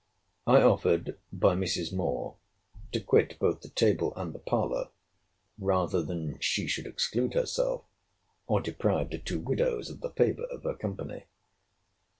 I offered, by Mrs. Moore, to quit both the table and the parlour, rather than she should exclude herself, or deprive the two widows of the favour of her company.